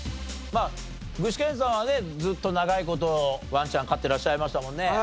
まあ具志堅さんはねずっと長い事ワンちゃん飼ってらっしゃいましたもんね。